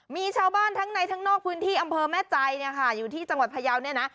มีชาวบ้านทั้งในทั้งนอกพื้นที่อำเภอแม่ใจเนี่ยค่ะอยู่ที่จังหวัดพยาวเนี่ยนะ